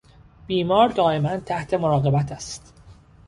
بیمار دائما تحت مراقبت است.